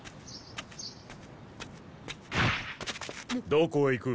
どこへ行く？